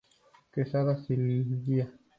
Quezada, Silvia.